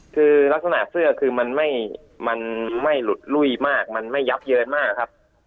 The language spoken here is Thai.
คือลักษณะเสื้อคือมันไม่หลุดลุ้ยมากมันไม่ยับเยินมากครับ